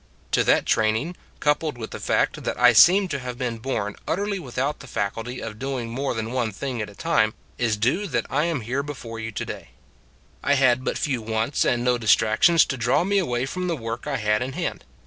To that training, coupled with the fact that / seem to have been born utterly without the faculty of doing more than one thing at a time, is due that I am here before you to day. I had but few wants and no distractions to draw me away from the work I had in hand.